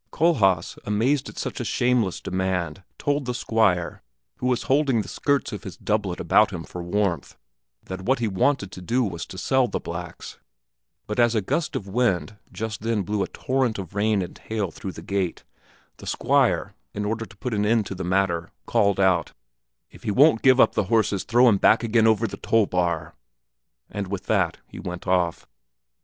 Kohlhaas, amazed at such a shameless demand, told the Squire, who was holding the skirts of his doublet about him for warmth, that what he wanted to do was to sell the blacks; but as a gust of wind just then blew a torrent of rain and hail through the gate, the Squire, in order to put an end to the matter, called out, "If he won't give up the horses, throw him back again over the toll bar;" and with that he went off.